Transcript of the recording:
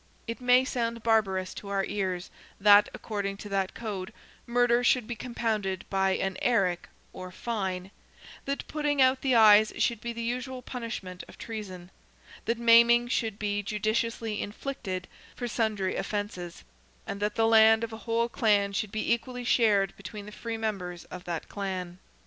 It may sound barbarous to our ears that, according to that code, murder should be compounded by an eric, or fine; that putting out the eyes should be the usual punishment of treason; that maiming should be judiciously inflicted for sundry offences; and that the land of a whole clan should be equally shared between the free members of that clan.